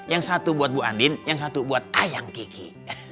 yang satu buat bu andin yang satu buat ayam kiki